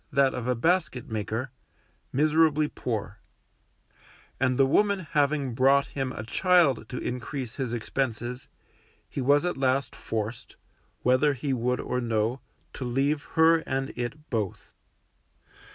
that of a basket maker) miserably poor; and the woman having brought him a child to increase his expenses, he was at last forced, whether he would or no, to leave her and it both.